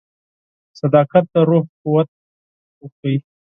• صداقت د روح قوت ورکوي.